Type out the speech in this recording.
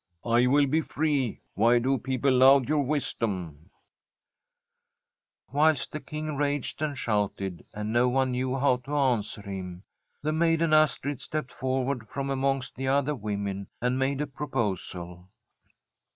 '* I will be free. Why do people laud your wisdom ?"' Whilst the King raged and shouted, and no one knew how to answer him, the maiden Astrid stepped forward from amongst the other women and made a proposal.